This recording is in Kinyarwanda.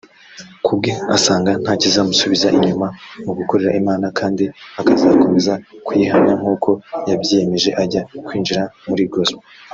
Kubwe asanga ntakizamusubiza inyuma mu gukorera Imana kandi akazakomeza kuyihamya nkuko yabyiyemeje ajya kwinjira muri Gospel